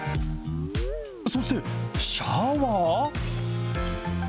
そしてシャワー。